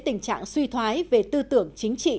tình trạng suy thoái về tư tưởng chính trị